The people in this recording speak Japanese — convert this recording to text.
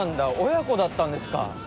親子だったんですか。